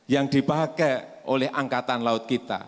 yang dipakai oleh angkatan laut kita